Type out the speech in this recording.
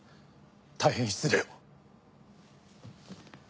大変失礼を。